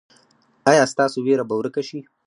ایا ستاسو ویره به ورکه شي؟